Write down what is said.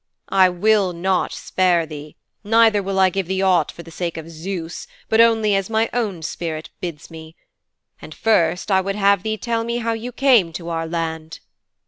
I will not spare thee, neither will I give thee aught for the sake of Zeus, but only as my own spirit bids me. And first I would have thee tell me how you came to our laud."'